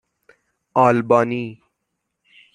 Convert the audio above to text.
آلبانی